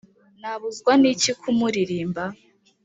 nabuzwa n'iki ku muririmba